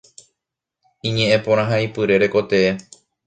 Iñe'ẽporãhaipyre rekotee.